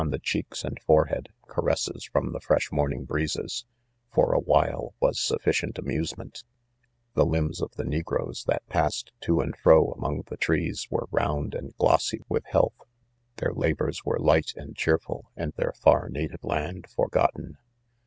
1tie : eBeei:s and forehead, caresses from the fresh morn ing breezes, for a while was sufficient amuse ment. ' J " y '"":.:;"'■■■■•'■''■■•■ 6 The limbs of the negroes that passed to and fro among the trees were round and glossy with health, their labors were light :: and r iheer ful, and their far native ; land : f6r^0tten.